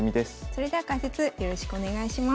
それでは解説よろしくお願いします。